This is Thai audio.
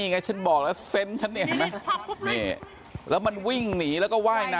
ไม่เท่าไรยังไม่มีเกลี้ยวหรอกขอมมาก